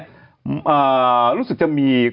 รู้สึกจะมี